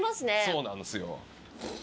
そうなんですよ。